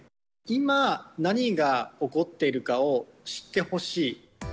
今、何が起こっているかを知ってほしい。